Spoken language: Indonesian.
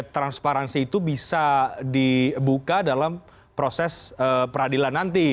transparansi itu bisa dibuka dalam proses peradilan nanti